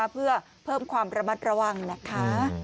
เพื่อเพิ่มความระมัดระวังนะคะ